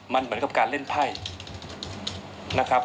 มันเหมือนกับการเล่นไพ่นะครับ